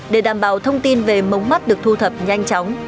để đảm bảo thông tin về mống mắt được thu thập nhanh chóng